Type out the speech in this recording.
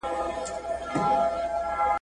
یار به کله راسي، وايي بله ورځ !.